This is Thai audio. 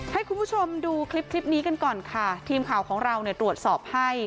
ให้คุณผู้ชมดูคลิปคลิปนี้กันก่อนค่ะทีมข่าวของเราเนี่ยตรวจสอบให้